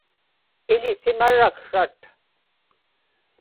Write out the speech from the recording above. iḷisimaraksrat